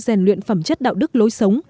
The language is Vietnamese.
giàn luyện phẩm chất đạo đức lối sống